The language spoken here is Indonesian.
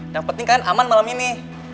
yang penting kan aman malam ini